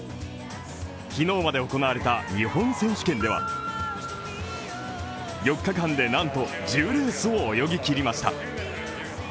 昨日まで行われた日本選手権では４日間でなんと１０レースを泳ぎ切りました。